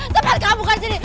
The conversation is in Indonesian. tempat kamu bukan di sini